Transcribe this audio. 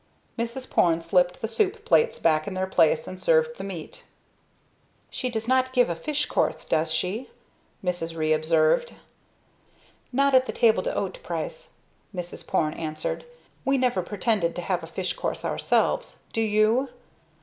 Mrs. Porne slipped the soup plates back in their place and served the meat. "She does not give a fish course, does she?" Mrs. Ree observed. "Not at the table d'hote price," Mrs. Porne answered. "We never pretended to have a fish course ourselves do you?"